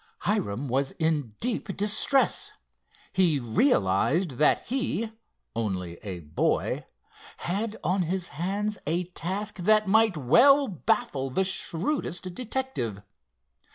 Hiram was in deep distress. He realized that he, only a boy, had on his hands a task that might well baffle the shrewdest detective.